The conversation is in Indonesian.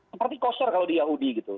seperti koster kalau di yahudi gitu